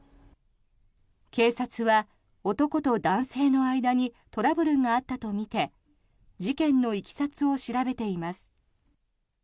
警察は男と男性の間にトラブルがあったとみて事件のいきさつを調べています。